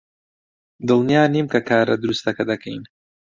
دڵنیا نیم کە کارە دروستەکە دەکەین.